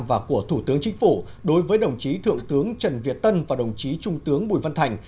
và của thủ tướng chính phủ đối với đồng chí thượng tướng trần việt tân và đồng chí trung tướng bùi văn thành